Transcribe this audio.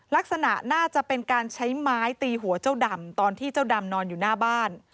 ลักษณะน่าจะเป็นการใช้ไม้ตีหัวเจ้าดำตอนที่เจ้าดำนอนอยู่หน้าบ้าน